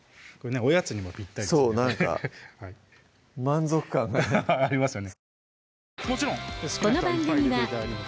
おやつにもぴったりですそうなんか満足感がねありますよね